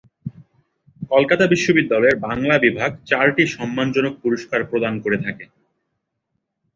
কলকাতা বিশ্ববিদ্যালয়ের বাংলা বিভাগ চারটি সম্মানজনক পুরস্কার প্রদান করে থাকে।